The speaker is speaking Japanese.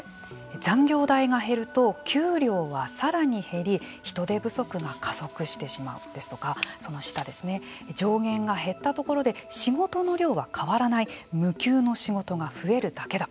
残業代が減ると給料はさらに減り人手不足が加速してしまうですとかその下上限が減ったところで仕事の量は変わらない無給の仕事が増えるだけだ。